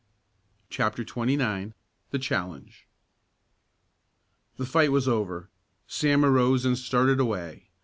CHAPTER XXIX THE CHALLENGE The fight was over. Sam arose and started away.